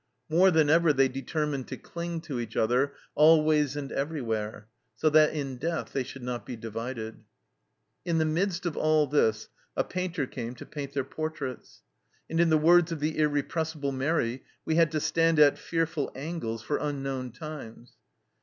More than ever they deter mined to cling to each other, always and every where, so that in death they should not be divided. In the midst of all this a painter came to paint their portraits. And in the words of the irrepres sible Mairi, " We had to stand at fearful angles for unknown times."